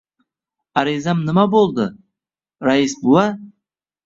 Arizam nima boʻldi, rais buva?